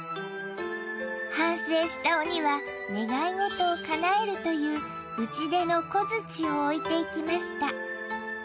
反省した鬼は願い事をかなえるという打ち出の小づちを置いていきました